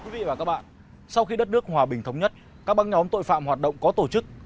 quý vị và các bạn sau khi đất nước hòa bình thống nhất các băng nhóm tội phạm hoạt động có tổ chức